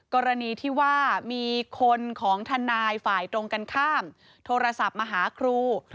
กรณีที่ว่ามีคนของทนายฝ่ายตรงกันข้ามโทรศัพท์มาหาครู